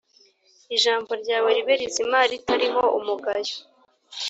ijambo ryawe ribe rizima ritariho umugayo